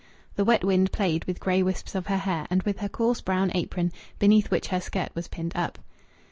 The wet wind played with grey wisps of her hair, and with her coarse brown apron, beneath which her skirt was pinned up.